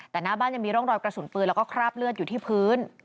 แต่หน้าบ้านยังมีร่องรอยกระสุนปืนแล้วก็คราบเลือดอยู่ที่พื้น